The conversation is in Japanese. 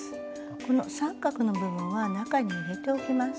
この三角の部分は中に入れておきます。